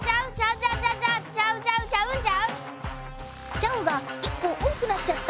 チャウが１こ多くなっちゃった！